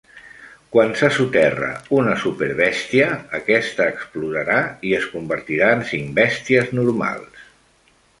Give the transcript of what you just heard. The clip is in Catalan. Quan se soterra una "súper bèstia", aquesta explotarà i es convertirà en cinc bèsties normals.